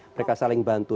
mereka saling bantu